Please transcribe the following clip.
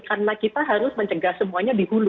karena kita harus mencegah semuanya di hulu